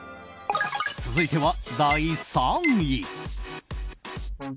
続いては、第３位。